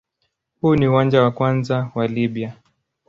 Huu ni uwanja wa kwanza wa Libya.